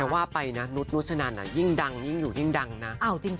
ว่าไปนะนุษนุชนันยิ่งดังยิ่งอยู่ยิ่งดังนะ